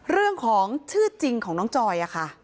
เรื่องของชื่อจริงของน้องจอยค่ะ